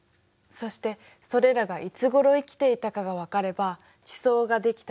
そしてそれらがいつごろ生きていたかがわかれば地層ができた時代が大体わかる。